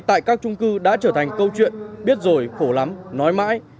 tại các trung cư đã trở thành câu chuyện biết rồi khổ lắm nói mãi